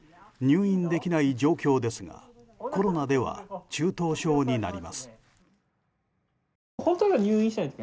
入院できない状況ですがコロナでは中等症になります。